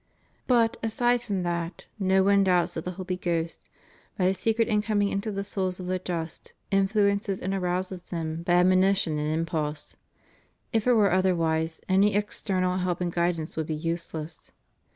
But, aside from that, no one doubts that the Holy Ghost, by His secret incoming into the souls of the just, influences and arouses them by admonition and impulse. If it were otherwise, any external help and guidance would be useless.